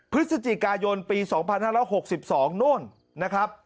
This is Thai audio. พฤศจิกายนปี๒๕๖๒โน่นนะครับ